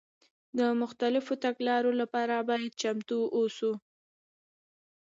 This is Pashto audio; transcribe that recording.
د مختلفو تګلارو لپاره باید چمتو واوسو.